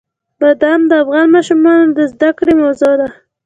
بادام د افغان ماشومانو د زده کړې موضوع ده.